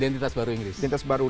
identitas baru inggris